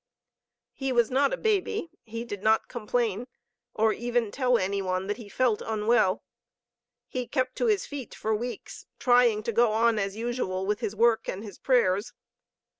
He was not a baby. He did not complain, or even tell any one that he felt unwell. He kept to his feet for weeks, trying to go on as usual with his work and his prayers.